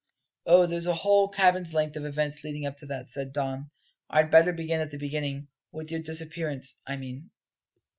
"Oh, there's a whole cable's length of events leading up to that," said Don. "I'd better begin at the beginning with your disappearance, I mean."